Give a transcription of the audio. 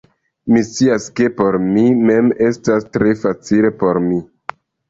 Mi scias, ke por mi mem estas tre facile por mi